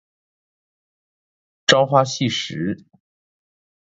朝花夕拾